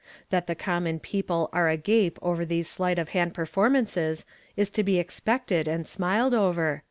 That the connnon people are agape over these sleight of hand performances is to be expected and smiled over.